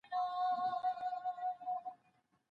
بهرنۍ پالیسي د سیالۍ پرته نه رامنځته کيږي.